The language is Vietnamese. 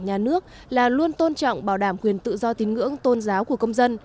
nhà nước là luôn tôn trọng bảo đảm quyền tự do tín ngưỡng tôn giáo của công dân